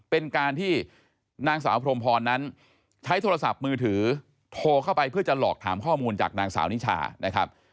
เป็นการที่นางสาวพรมพรนั้นใช้โทรศัพท์มือถือโทรเข้าไปเพื่อจะหลอกถามข้อมูลจากนางสาวนิชานะครับ